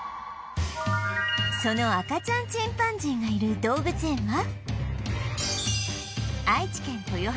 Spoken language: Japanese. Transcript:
その赤ちゃんチンパンジーがいる動物園は